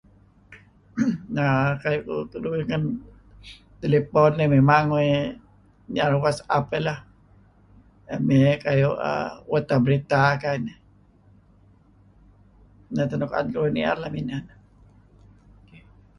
Naa...kayu' keduih ngen telepon, mimang uih ni'er WA iih lah, mey berita lakuayu' inih. Neh teh 'en keduih ni'er lem ineh.